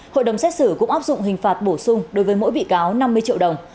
hội đồng xét xử cũng áp dụng hình phạt bổ sung đối với mỗi bị cáo năm mươi triệu đồng